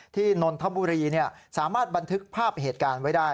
นนทบุรีสามารถบันทึกภาพเหตุการณ์ไว้ได้